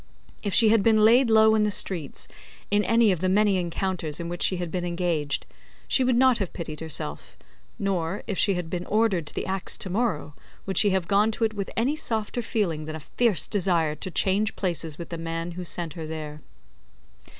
If she had been laid low in the streets, in any of the many encounters in which she had been engaged, she would not have pitied herself; nor, if she had been ordered to the axe to morrow, would she have gone to it with any softer feeling than a fierce desire to change places with the man who sent her there.